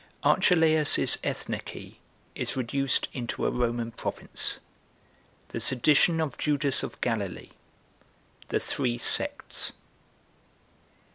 Archelaus's Ethnarchy Is Reduced Into A [Roman] Province. The Sedition Of Judas Of Galilee. The Three Sects.